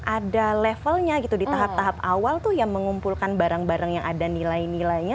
ada levelnya gitu di tahap tahap awal tuh yang mengumpulkan barang barang yang ada nilai nilainya